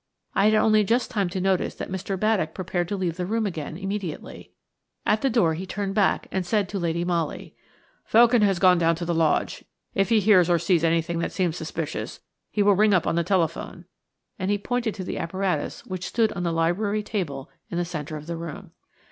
I had only just time to notice that Mr. Baddock prepared to leave the room again immediately. At the door he turned back and said to Lady Molly: "Felkin has gone down to the lodge. If he hears or sees anything that seems suspicious he will ring up on the telephone;" and he pointed to the apparatus which stood on the library table in the centre of the room.